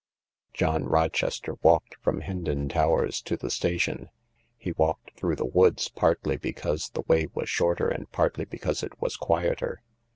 John Rochester walked from Hendon Towers to the station. He walked through the woods, partly because the way was shorter and partly because it was quieter.